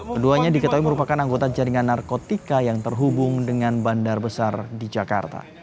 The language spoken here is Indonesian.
keduanya diketahui merupakan anggota jaringan narkotika yang terhubung dengan bandar besar di jakarta